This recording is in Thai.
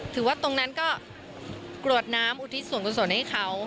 ถือว่าตรงนั้นก็กรวดน้ำอุทิศส่วนให้เขา